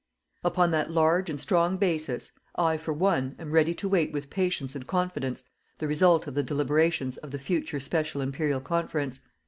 Upon that large and strong basis, I, for one, am ready to wait with patience and confidence the result of the deliberations of the future special Imperial Conference.